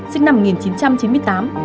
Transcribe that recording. sinh năm một nghìn chín trăm chín mươi tám